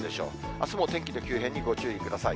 あすも天気の急変にご注意ください。